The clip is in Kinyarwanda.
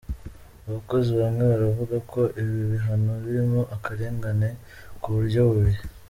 Abakozi bamwe baravuga ko ibi bihano birimo akarengane ku buryo bubiri.